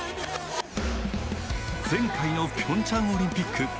前回のピョンチャンオリンピック。